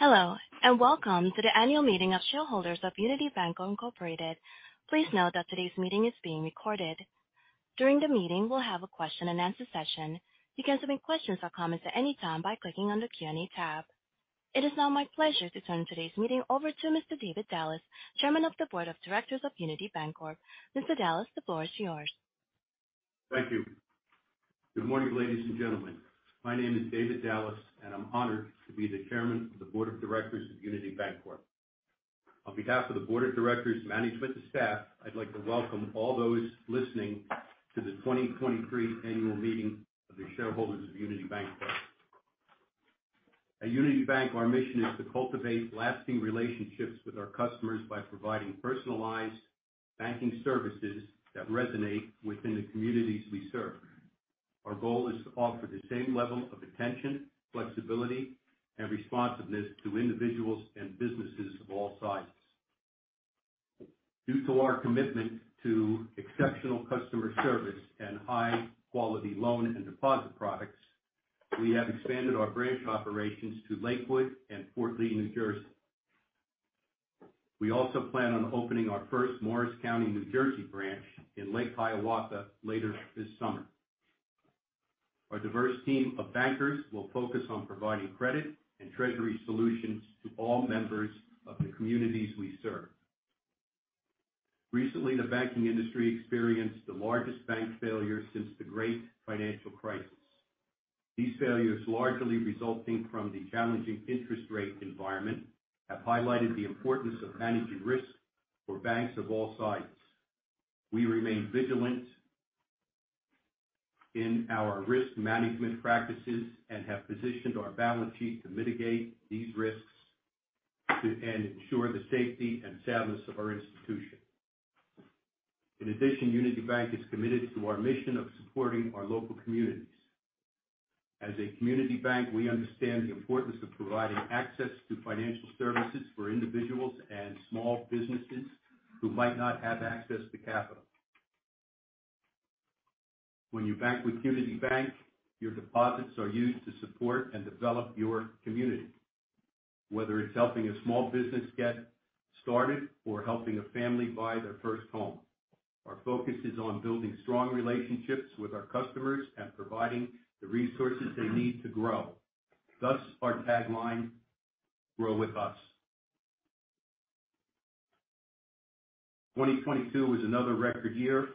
Hello, welcome to the Annual Meeting of Shareholders of Unity Bancorp, Inc. Please note that today's meeting is being recorded. During the meeting, we'll have a question-and-answer session. You can submit questions or comments at any time by clicking on the Q&A tab. It is now my pleasure to turn today's meeting over to Mr. David Dallas, Chairman of the Board of Directors of Unity Bancorp. Mr. Dallas, the floor is yours. Thank you. Good morning, ladies and gentlemen. My name is David Dallas, and I'm honored to be the Chairman of the Board of Directors of Unity Bancorp. On behalf of the Board of Directors, management, and staff, I'd like to welcome all those listening to the 2023 Annual Meeting of the Shareholders of Unity Bancorp. At Unity Bank, our mission is to cultivate lasting relationships with our customers by providing personalized banking services that resonate within the communities we serve. Our goal is to offer the same level of attention, flexibility, and responsiveness to individuals and businesses of all sizes. Due to our commitment to exceptional customer service and high-quality loan and deposit products, we have expanded our branch operations to Lakewood and Fort Lee, New Jersey. We also plan on opening our first Morris County, New Jersey branch in Lake Hiawatha later this summer. Our diverse team of bankers will focus on providing credit and treasury solutions to all members of the communities we serve. Recently, the banking industry experienced the largest bank failure since the great financial crisis. These failures, largely resulting from the challenging interest rate environment, have highlighted the importance of managing risk for banks of all sizes. We remain vigilant in our risk management practices and have positioned our balance sheet to mitigate these risks and ensure the safety and soundness of our institution. In addition, Unity Bank is committed to our mission of supporting our local communities. As a community bank, we understand the importance of providing access to financial services for individuals and small businesses who might not have access to capital. When you bank with Unity Bank, your deposits are used to support and develop your community, whether it's helping a small business get started or helping a family buy their first home. Our focus is on building strong relationships with our customers and providing the resources they need to grow. Thus our tagline, "Grow With Us." 2022 was another record year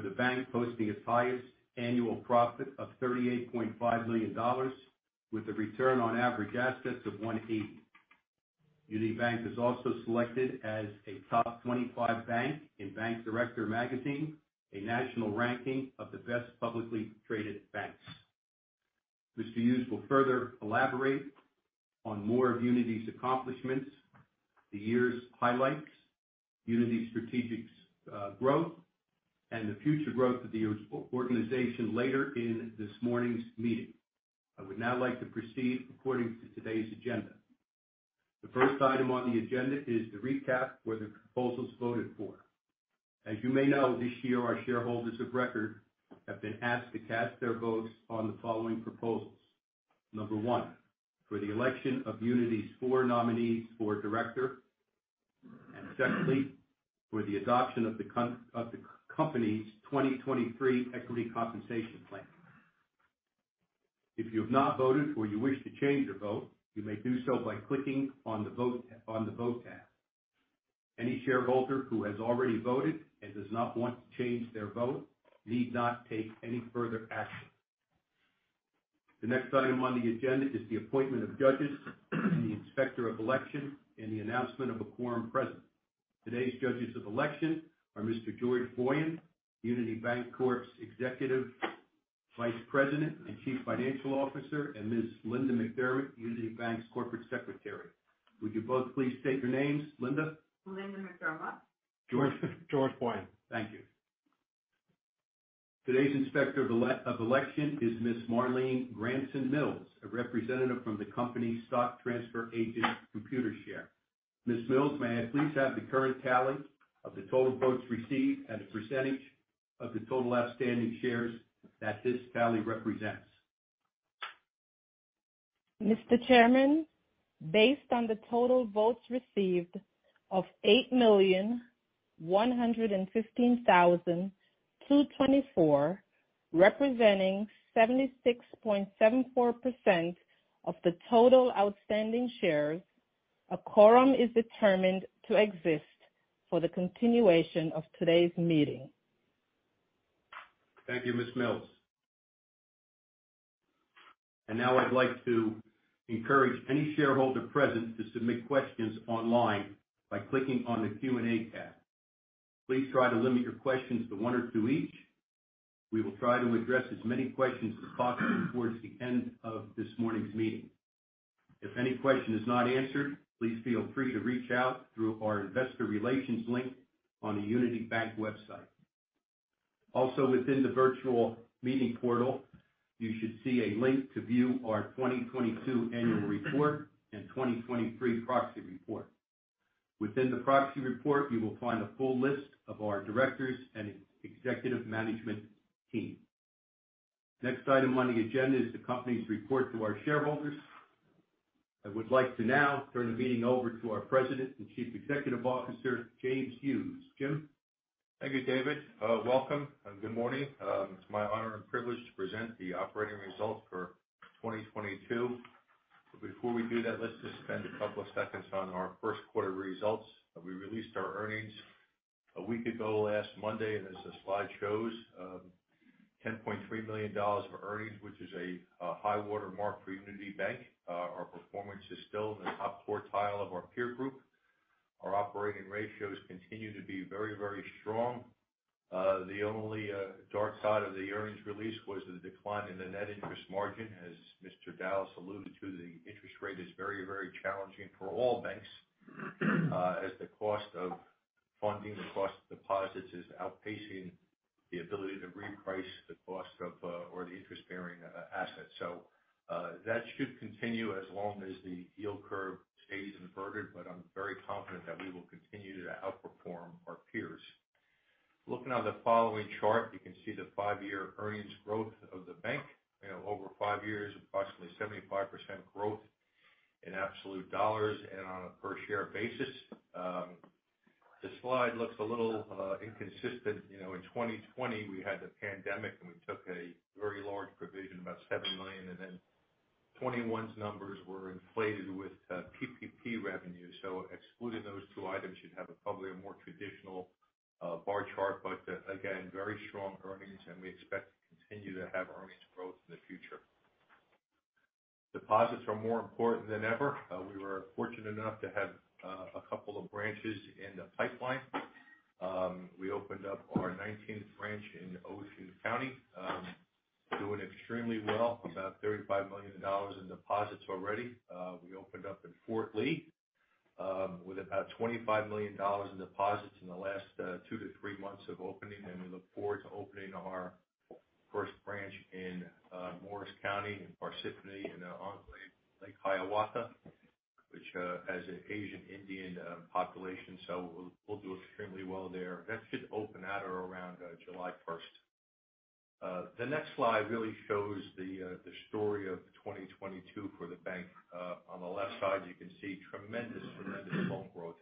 for the bank, posting its highest annual profit of $38.5 million with a return on average assets of 1.80%. Unity Bank was also selected as a Top 25 bank in Bank Director, a national ranking of the best publicly traded banks. Mr. Hughes will further elaborate on more of Unity's accomplishments, the year's highlights, Unity's strategic growth, and the future growth of the organization later in this morning's meeting. I would now like to proceed according to today's agenda. The first item on the agenda is the recap for the proposals voted for. As you may know, this year our shareholders of record have been asked to cast their votes on the following proposals. Number one, for the election of Unity's four nominees for director. Secondly, for the adoption of the company's 2023 Equity Compensation Plan. If you have not voted or you wish to change your vote, you may do so by clicking on the vote tab. Any shareholder who has already voted and does not want to change their vote need not take any further action. The next item on the agenda is the appointment of judges and the inspector of election and the announcement of a quorum present. Today's judges of election are Mr. George Boyan, Unity Bancorp's Executive Vice President and Chief Financial Officer, and Ms. Linda McDermott, Unity Bank's Corporate Secretary. Would you both please state your names? Linda? Linda McDermott. George? George Boyan. Thank you. Today's Inspector of Election is Ms. Marleen Grandeson-Mills, a representative from the company stock transfer agent, Computershare. Ms. Mills, may I please have the current tally of the total votes received and the percentage of the total outstanding shares that this tally represents? Mr. Chairman, based on the total votes received of 8,115,224, representing 76.74% of the total outstanding shares, a quorum is determined to exist for the continuation of today's meeting. Thank you, Ms. Mills. Now I'd like to encourage any shareholder present to submit questions online by clicking on the Q&A tab. Please try to limit your questions to one or two each. We will try to address as many questions as possible towards the end of this morning's meeting. If any question is not answered, please feel free to reach out through our investor relations link on the Unity Bank website. Also, within the virtual meeting portal, you should see a link to view our 2022 annual report and 2023 proxy report. Within the proxy report you will find a full list of our directors and ex-executive management team. Next item on the agenda is the company's report to our shareholders. I would like to now turn the meeting over to our President and Chief Executive Officer, James Hughes. Jim? Thank you, David. Welcome and good morning. It's my honor and privilege to present the operating results for 2022. Before we do that, let's just spend a couple of seconds on our first quarter results. We released our earnings a week ago last Monday, as the slide shows, $10.3 million of earnings, which is a high water mark for Unity Bank. Our performance is still in the top quartile of our peer group. Our operating ratios continue to be very, very strong. The only dark side of the earnings release was the decline in the net interest margin. As Mr. Dallas alluded to, the interest rate is very, very challenging for all banks, as the cost of funding, the cost of deposits is outpacing the ability to reprice the cost of, or the interest-bearing assets. That should continue as long as the yield curve stays inverted, but I'm very confident that we will continue to outperform our peers. Looking at the following chart, you can see the five-year earnings growth of the bank. You know, over 5 years, approximately 75% growth in absolute dollars and on a per share basis. The slide looks a little inconsistent. You know, in 2020, we had the pandemic, and we took a very large provision, about $7 million, and then 2021's numbers were inflated with PPP revenue. Excluding those two items, you'd have a probably a more traditional bar chart. Again, very strong earnings, and we expect to continue to have earnings growth in the future. Deposits are more important than ever. We were fortunate enough to have a couple of branches in the pipeline. We opened up our 19th branch in Ocean County. Doing extremely well, about $35 million in deposits already. We opened up in Fort Lee with about $25 million in deposits in the last 2-3 months of opening. We look forward to opening our first branch in Morris County in Parsippany, in enclave Lake Hiawatha, which has an Asian Indian population, so we'll do extremely well there. That should open at or around July 1st. The next slide really shows the story of 2022 for the bank. On the left side, you can see tremendous loan growth,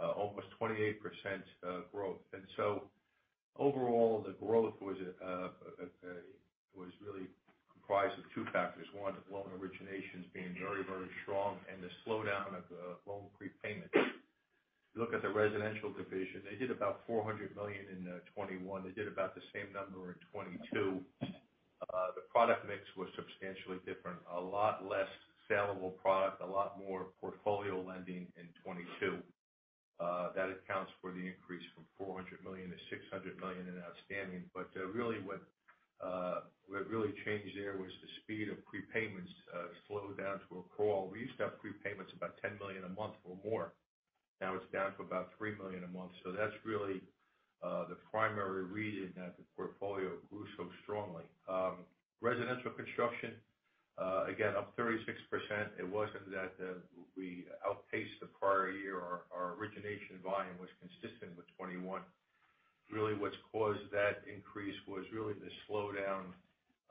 almost 28% growth. Overall, the growth was really comprised of two factors. One, loan originations being very, very strong and the slowdown of loan prepayments. If you look at the residential division, they did about $400 million in 2021. They did about the same number in 2022. The product mix was substantially different. A lot less saleable product, a lot more portfolio lending in 2022. That accounts for the increase from $400 million to $600 million in outstanding. Really what really changed there was the speed of prepayments, slowed down to a crawl. We used to have prepayments about $10 million a month or more. Now it's down to about $3 million a month. That's really the primary reason that the portfolio grew so strongly. Residential construction, again, up 36%. It wasn't that we outpaced the prior year. Our origination volume was consistent with 2021. What's caused that increase was really the slowdown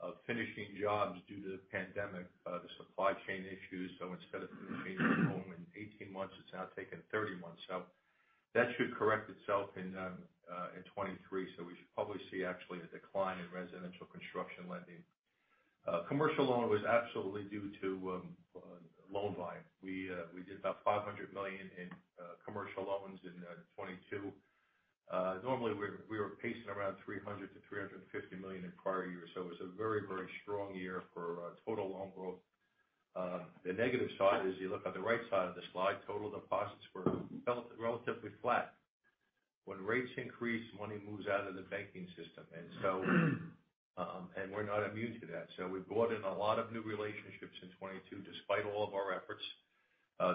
of finishing jobs due to the pandemic, the supply chain issues. Instead of finishing a home in 18 months, it's now taking 30 months. That should correct itself in 2023. We should probably see actually a decline in residential construction lending. Commercial loan was absolutely due to loan volume. We did about $500 million in commercial loans in 2022. Normally we were pacing around $300 million-$350 million in prior years. It was a very, very strong year for total loan growth. The negative side is you look at the right side of the slide, total deposits were relatively flat. When rates increase, money moves out of the banking system. We're not immune to that. We brought in a lot of new relationships in 2022. Despite all of our efforts,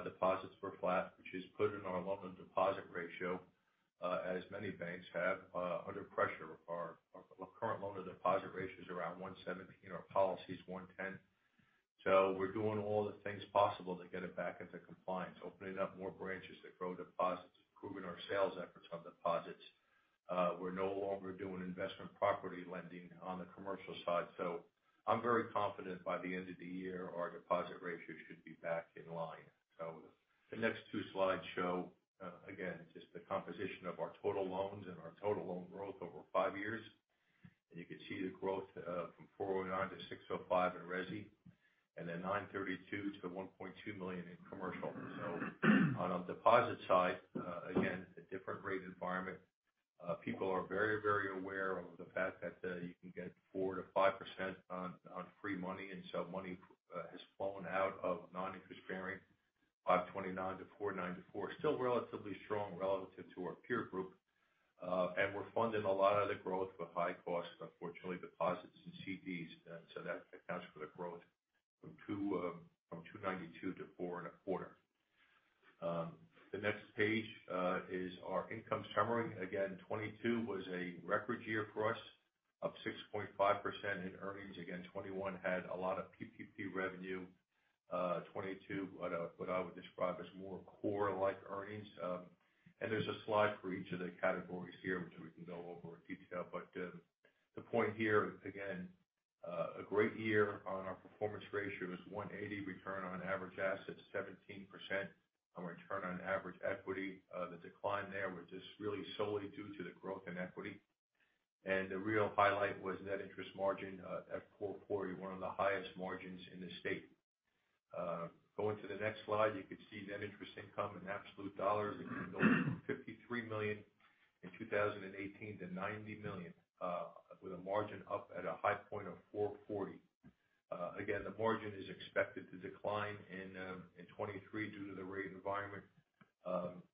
deposits were flat, which has put in our loan and deposit ratio, as many banks have, under pressure. Our current loan and deposit ratio is around 170%. Our policy is 110%. We're doing all the things possible to get it back into compliance, opening up more branches to grow deposits, improving our sales efforts on deposits. We're no longer doing investment property lending on the commercial side. I'm very confident by the end of the year, our deposit ratios should be back in line. The next two slides show, again, just the composition of our total loans and our total loan growth over 5 years. You can see the growth from $409 million to $605 million in resi, and then $932 million to $1.2 billion in commercial. On a deposit side, again, a different rate environment. People are very, very aware of the fact that you can get 4%-5% on free money. Money has fallen out of non-interest bearing, $529 million to $494 million. Still relatively strong relative to our peer group. We're funding a lot of the growth with high costs, unfortunately, deposits and CDs. That accounts for the growth from 2.9%2 to 4.25%. The next page is our income summary. 2022 was a record year for us, up 6.5% in earnings. 2021 had a lot of PPP revenue. 2022, what I would describe as more core-like earnings. There's a slide for each of the categories here which we can go over in detail. The point here, again, a great year on our performance ratio is 180%. Return on average assets 17%. On return on average equity, the decline there was just really solely due to the growth in equity. The real highlight was net interest margin at 4.40%, one of the highest margins in the state. Going to the next slide, you can see net interest income in absolute dollars went from $53 million in 2018 to $90 million, with a margin up at a high point of 4.40%. Again, the margin is expected to decline in 2023 due to the rate environment.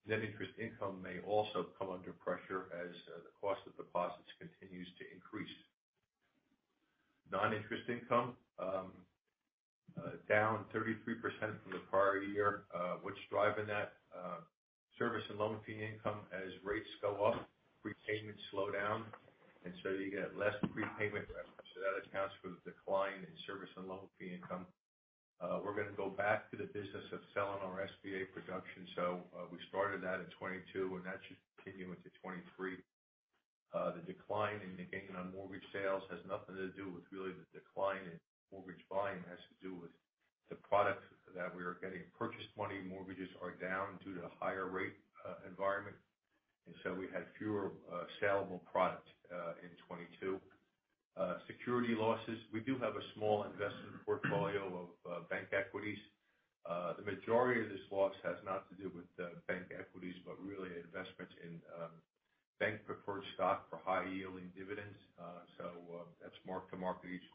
Net interest income may also come under pressure as the cost of deposits continues to increase. Non-interest income, down 33% from the prior year. What's driving that? Service and loan fee income. As rates go up, prepayments slow down, you get less prepayment. That accounts for the decline in service and loan fee income. We're gonna go back to the business of selling our SBA production. We started that in 2022, that should continue into 2023. The decline in the gain on mortgage sales has nothing to do with really the decline in mortgage volume. It has to do with the products that we are getting. Purchase money mortgages are down due to the higher rate environment. We had fewer sellable products in 2022. Security losses. We do have a small investment portfolio of bank equities. The majority of this loss has not to do with the bank equities, but really investments in bank preferred stock for high yielding dividends. That's marked to market each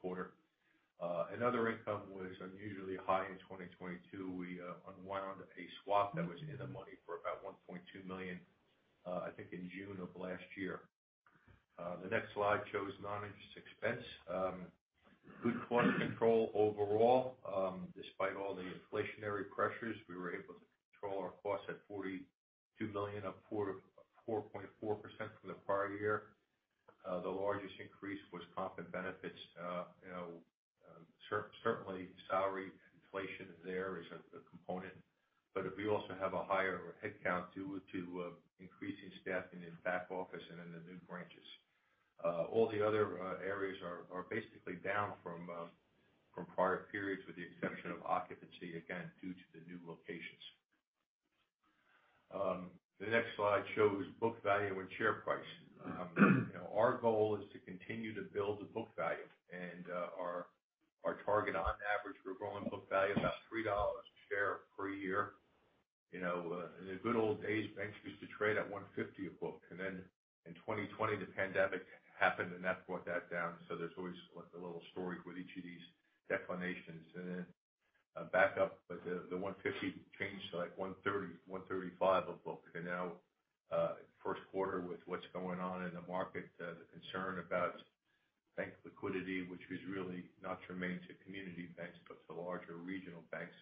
quarter. Other income was unusually high in 2022. We unwound a swap that was in the money for about $1.2 million, I think in June of last year. The next slide shows non-interest expense. Good cost control overall. Despite all the inflationary pressures, we were able to control our costs at $42 million, up 4%-4.4% from the prior year. The largest increase was comp and benefits. You know, certainly salary inflation there is a component. We also have a higher headcount due to increasing staffing in back office and in the new branches. All the other areas are basically down from prior periods with the exception of occupancy, again, due to the new locations. The next slide shows book value and share price. You know, our goal is to continue to build the book value and our target on average, we're growing book value about $3 a share per year. You know, in the good old days, banks used to trade at 150% a book, then in 2020 the pandemic happened, that brought that down. There's always like a little story with each of these declination. Then a back up with the 150% changed to like 130%, 135% a book. Now, first quarter with what's going on in the market, the concern about bank liquidity, which was really not germane to community banks, but to larger regional banks.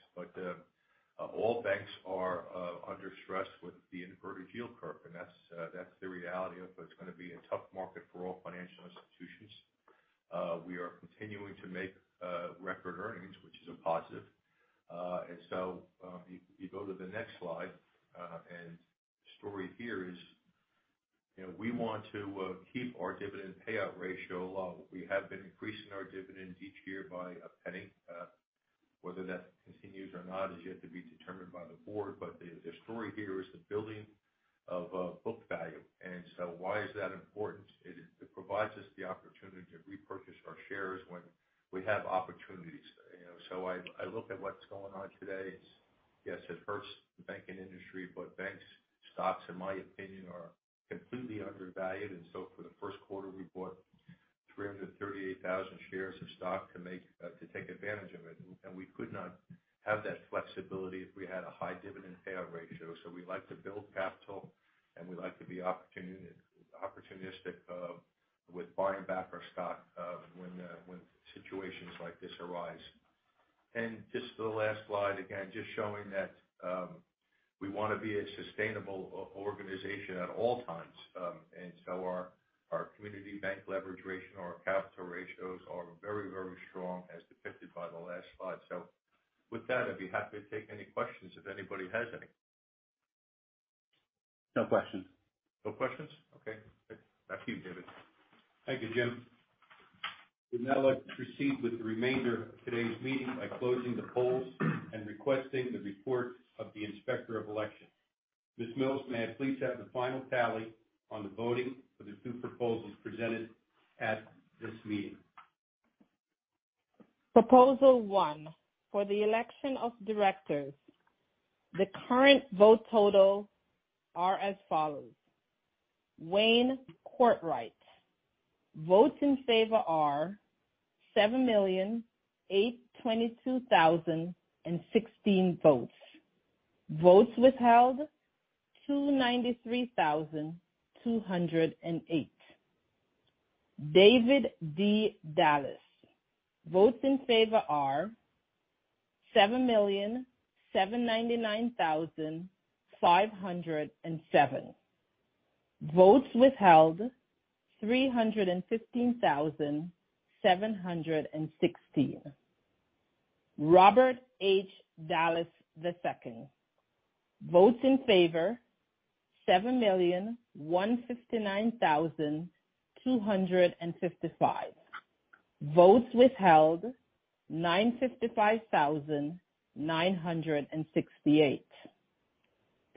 All banks are under stress with the inverted yield curve. That's, that's the reality of it's gonna be a tough market for all financial institutions. We are continuing to make record earnings, which is a positive. Uh, and so, uh, if you go to the next slide, uh, and the story here is, you know, we want to, uh, keep our dividend payout ratio. We have been increasing our dividends each year by a penny. Uh, whether that continues or not is yet to be determined by the board. But the story here is the building of, uh, book value. And so why is that important? It, it provides us the opportunity to repurchase our shares when we have opportunities. You know, so I look at what's going on today. Yes, it hurts the banking industry, but banks stocks in my opinion are completely undervalued. And so for the first quarter we bought three hundred and thirty-eight thousand shares of stock to make, uh, to take advantage of it. And we could not have that flexibility if we had a high dividend payout ratio. We like to build capital, and we like to be opportunistic with buying back our stock when situations like this arise. Just the last slide, again, just showing that we wanna be a sustainable organization at all times. Our community bank leverage ratio and our capital ratios are very strong as depicted by the last slide. With that, I'd be happy to take any questions if anybody has any. No questions. No questions? Okay. Back to you, David. Thank you, Jim. We'd now like to proceed with the remainder of today's meeting by closing the polls and requesting the report of the Inspector of Election. Ms. Mills, may I please have the final tally on the voting for the two proposals presented at this meeting? Proposal one for the election of directors. The current vote total are as follows: Wayne Courtright. Votes in favor are 7,822,016 votes. Votes withheld, 293,208. David D. Dallas. Votes in favor are 7,799,507. Votes withheld, 315,716. Robert H. Dallas, II. Votes in favor, 7,159,255. Votes withheld, 955,968.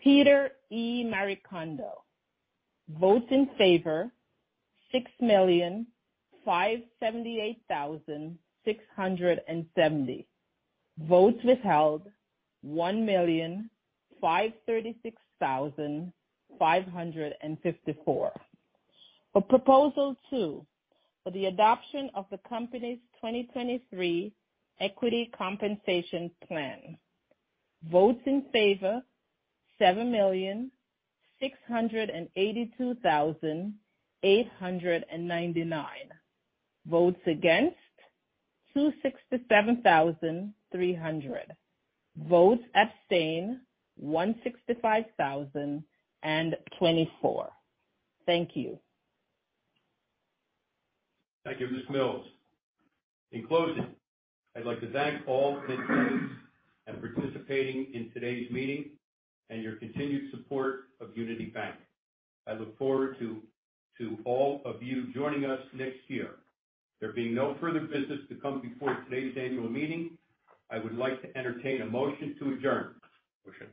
Peter E. Maricondo. Votes in favor, 6,578,670. Votes withheld, 1,536,554. For proposal two for the adoption of the company's 2023 Equity Compensation Plan. Votes in favor, 7,682,899. Votes against, 267,300. Votes abstain, 165,024. Thank you. Thank you, Ms. Mills. In closing, I'd like to thank all attendees and participating in today's meeting and your continued support of Unity Bank. I look forward to all of you joining us next year. There being no further business to come before today's annual meeting, I would like to entertain a motion to adjourn. Motion.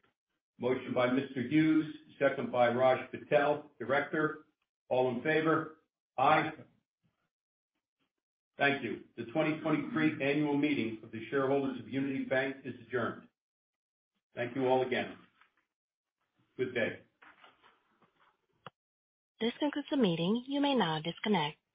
Motion by Mr. Hughes, second by Raj Patel, Director. All in favor? Aye. Thank you. The 2023 annual meeting of the shareholders of Unity Bank is adjourned. Thank you all again. Good day. This concludes the meeting. You may now disconnect.